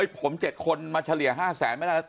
ผม๗คนมาเฉลี่ย๕๐๐๐๐๐ไม่ได้